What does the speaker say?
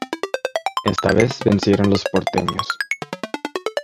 Esta vez vencieron los porteños.